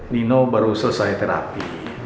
nino baru selesai terapi